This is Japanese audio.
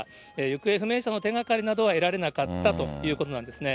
行方不明者の手がかりなどは得られなかったということなんですね。